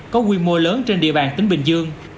có quy mô lớn trên địa bàn tỉnh bình dương